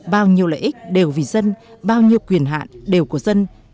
bao nhiêu lợi ích đều vì dân bao nhiêu quyền hạn đều của dân